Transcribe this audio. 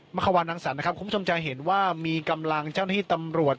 เมื่อวานนางสรรนะครับคุณผู้ชมจะเห็นว่ามีกำลังเจ้าหน้าที่ตำรวจ